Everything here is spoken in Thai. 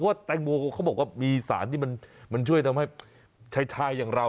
ว่าแตงโมเขาบอกว่ามีสารที่มันช่วยทำให้ชายอย่างเรา